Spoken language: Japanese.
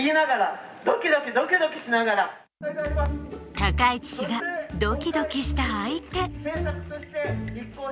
高市氏がドキドキした相手。